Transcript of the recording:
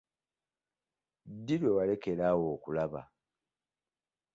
Ddi lwe walekerawo okulaba?